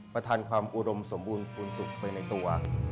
ประธานความอุดมสมบูรณ์ภูมิสุขไปในตัว